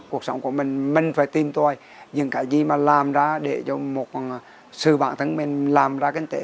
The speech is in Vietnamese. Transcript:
cuộc sống của mình mình phải tin tôi những cái gì mà làm ra để cho một sự bản thân mình làm ra cái tệ